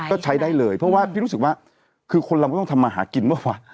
ก็ใช้ได้เลยเพราะว่าพี่รู้สึกว่าคือคนเราก็ต้องทำมาหากินเมื่อวาน